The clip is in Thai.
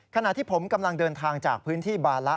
ขณะที่ผมกำลังเดินทางจากพื้นที่บาละ